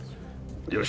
よし！